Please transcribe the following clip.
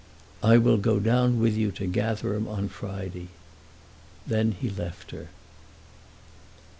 "I will go down with you to Gatherum on Friday." Then he left her.